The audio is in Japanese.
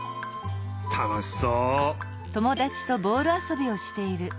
たのしそう！